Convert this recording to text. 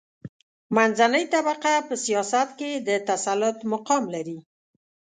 منځنۍ طبقه په سیاست کې د تسلط مقام لري.